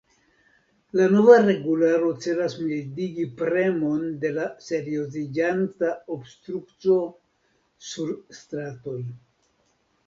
La nova regularo celas mildigi premon de la serioziĝanta obstrukco sur stratoj.